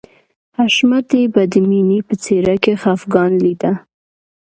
حشمتي به د مینې په څېره کې خفګان لیده